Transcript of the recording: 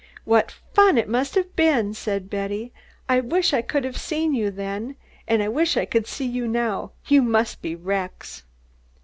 "What fun it must have been!" said Betty. "I wish I could have seen you then, and I wish I could see you now. You must be wrecks."